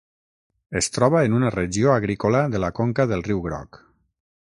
Es troba en una regió agrícola de la conca del Riu Groc.